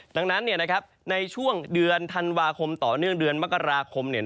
ดังนั้นในช่วงเดือนธันวาคมต่อเนื่องเดือนมกราคม